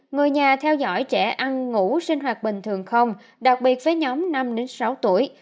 người nhà theo dõi trẻ ăn ngủ sinh hoạt bình thường không đặc biệt với nhóm năm đến sáu tuổi